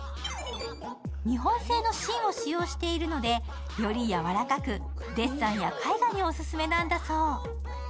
日本製の芯を使用しているので、より柔らかくデッサンや絵画にオススメなんだそう。